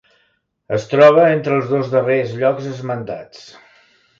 Es troba entre els dos darrers llocs esmentats.